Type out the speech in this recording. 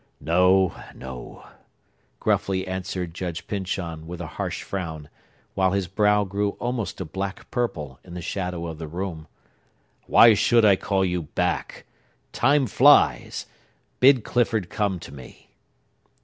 "No, no" gruffly answered Judge Pyncheon with a harsh frown, while his brow grew almost a black purple, in the shadow of the room. "Why should I call you back? Time flies! Bid Clifford come to me!"